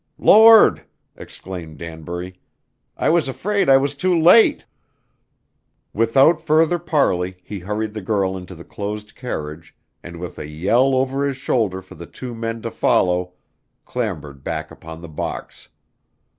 "Lord!" exclaimed Danbury, "I was afraid I was too late." Without further parley he hurried the girl into the closed carriage and with a yell over his shoulder for the two men to follow, clambered back upon the box.